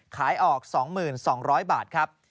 ขายออก๒๒๐๐บาทครับ